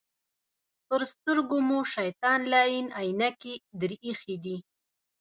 پر سترګو مو شیطان لعین عینکې در اېښي دي.